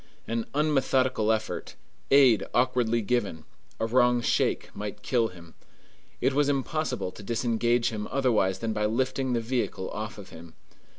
An unmethodical effort, aid awkwardly given, a wrong shake, might kill him. It was impossible to disengage him otherwise than by lifting the vehicle off of him.